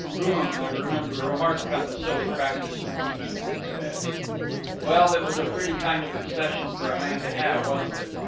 Rooum, I remember, remarked on the silly practice of reading in bed. Well, it was a pretty kind of obsession for a man to have, wasn't it?